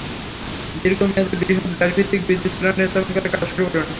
দীর্ঘ মেয়াদে বৃহৎ গ্যাসভিত্তিক বিদ্যুৎ প্ল্যান্ট স্থাপন করার কাজ শুরু করুন।